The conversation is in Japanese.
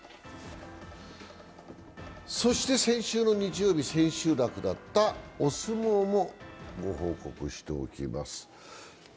そして先週の日曜日、千秋楽だったお相撲もご報告しておきます。